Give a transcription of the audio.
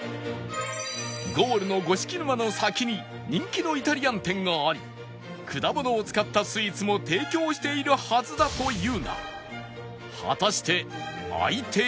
ゴールの五色沼の先に人気のイタリアン店があり果物を使ったスイーツも提供しているはずだというが